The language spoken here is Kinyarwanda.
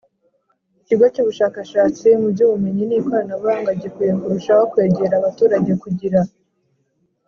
Ikigo cy Ubushakashatsi mu by Ubumenyi n Ikoranabuhanga gikwiye kurushaho kwegera abaturage kugira